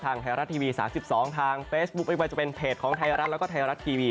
ไทยรัฐทีวี๓๒ทางเฟซบุ๊คไม่ว่าจะเป็นเพจของไทยรัฐแล้วก็ไทยรัฐทีวี